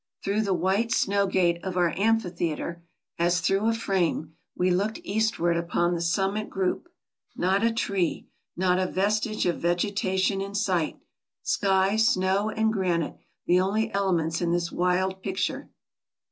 Through the white snow gate of our amphi theater, as through a frame, we looked eastward upon the summit group; not a tree, not a vestige of vegetation in sight — sky, snow, and granite the only elements in this wild picture.